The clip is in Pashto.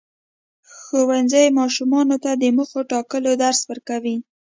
ښوونځی ماشومانو ته د موخو ټاکلو درس ورکوي.